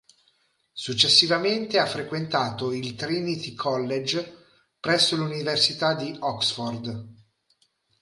Successivamente ha frequentato il Trinity College presso l'Università di Oxford.